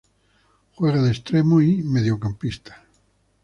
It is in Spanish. Juega de extremo y mediocampista.